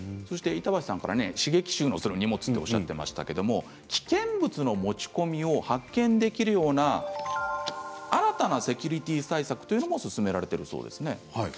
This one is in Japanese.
刺激臭のする荷物と言っていましたが危険物の持ち込みを発見できるような新たなセキュリティー対策というのも進められているそうですね。